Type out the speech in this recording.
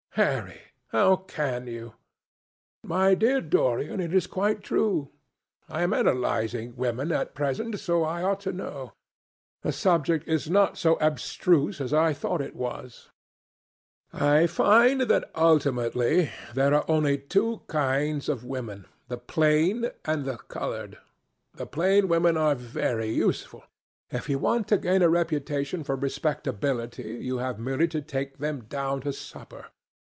"Harry, how can you?" "My dear Dorian, it is quite true. I am analysing women at present, so I ought to know. The subject is not so abstruse as I thought it was. I find that, ultimately, there are only two kinds of women, the plain and the coloured. The plain women are very useful. If you want to gain a reputation for respectability, you have merely to take them down to supper.